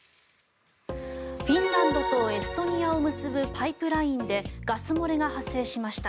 フィンランドとエストニアを結ぶパイプラインでガス漏れが発生しました。